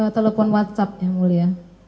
telepon whatsapp yang mulia